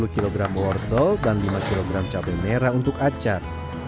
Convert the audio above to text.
sepuluh kilogram wortel dan lima kilogram cabai merah untuk acar